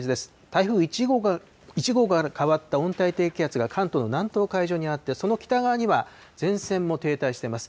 台風１号から変わった温帯低気圧が関東の南東海上にあって、その北側には前線も停滞しています。